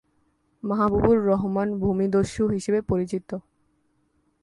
মাহবুবুর রহমান ভূমি দস্যু হিসাবে পরিচিত।